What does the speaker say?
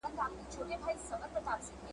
زما په غاړه یې دا تروم را ځړولی `